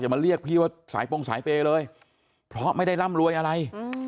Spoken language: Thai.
มาเรียกพี่ว่าสายปงสายเปย์เลยเพราะไม่ได้ร่ำรวยอะไร